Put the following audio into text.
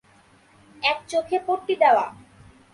এক চোখে পট্টি দেওয়া।